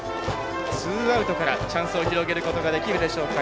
ツーアウトからチャンスを広げることができるでしょうか。